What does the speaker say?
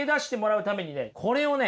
これをね